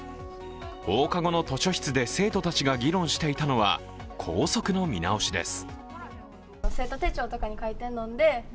放課後の図書室で生徒たちが議論していたのは校則の見直しです。